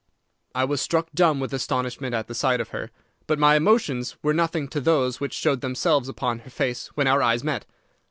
"I was struck dumb with astonishment at the sight of her; but my emotions were nothing to those which showed themselves upon her face when our eyes met.